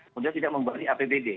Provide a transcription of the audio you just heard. kemudian tidak membanding apbd